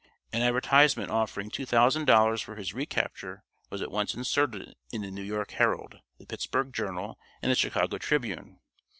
An advertisement offering two thousand dollars for his recapture was at once inserted in the New York Herald, the Pittsburgh Journal, and the Chicago Tribune.